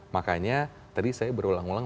makanya tadi saya berulang ulang